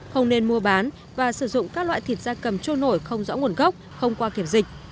không nên mua bán và sử dụng các loại thịt da cầm trôi nổi không rõ nguồn gốc không qua kiểm dịch